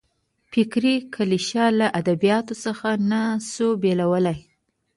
فکري کلیشه له ادبیاتو څخه نه سو بېلولای.